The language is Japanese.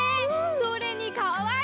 それにかわいい！